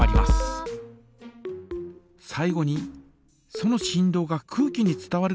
最後にその振動が空気に伝わることで。